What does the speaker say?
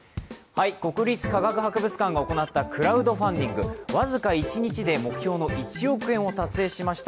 国立科学博物館が行ったクラウドファンディング、僅か１日で目標の１億円を達成しました。